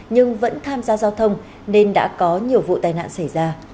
nhưng vẫn tham gia giao thông nên đã có nhiều vụ tai nạn xảy ra